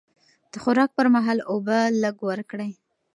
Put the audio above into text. د خوراک پر مهال اوبه لږ ورکړئ.